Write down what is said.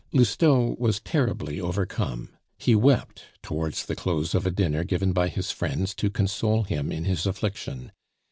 Lousteau was terribly overcome. He wept (towards the close of a dinner given by his friends to console him in his affliction).